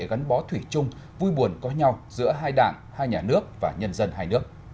gắn bó thủy chung vui buồn có nhau giữa hai đảng hai nhà nước và nhân dân hai nước